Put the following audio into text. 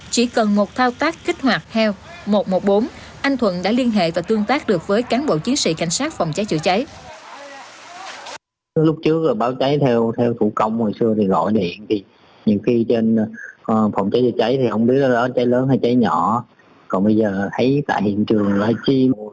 chỉ cần một thao tác kích hoạt heo một trăm một mươi bốn anh thuận đã liên hệ và tương tác được với cán bộ chiến sĩ cảnh sát phòng cháy chữa cháy